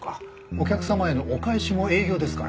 お客様へのお返しも営業ですから。